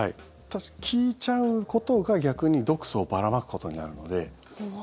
効いちゃうことが、逆に毒素をばらまくことになるので。